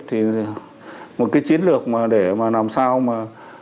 thì một cái chiến lược mà để mà làm sao mà